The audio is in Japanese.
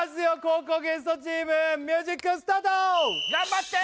後攻ゲストチームミュージックスタート頑張って！